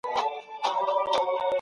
له پردي جنګه یې ساته زما د خاوري